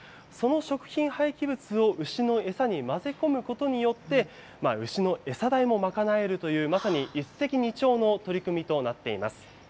その食品廃棄物を牛の餌に混ぜ込むことによって、牛の餌代も賄えるという、まさに一石二鳥の取り組みとなっています。